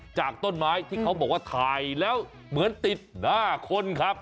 จากต้นไม้ที่เขาบอกว่าถ่ายแล้วเหมือนติดหน้าคนครับ